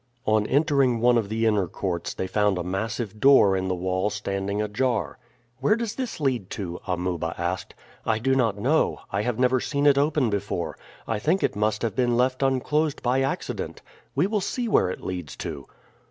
On entering one of the inner courts they found a massive door in the wall standing ajar. "Where does this lead to?" Amuba asked. "I do not know. I have never seen it open before. I think it must have been left unclosed by accident. We will see where it leads to."